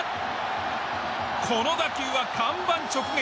この打球は看板直撃。